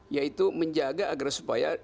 yaitu menjaga agar supaya